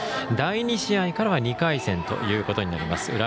第２試合からは２回戦ということになります。